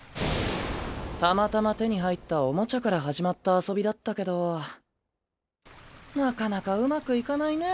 たまたま手に入ったおもちゃから始まった遊びだったけどなかなかうまくいかないね。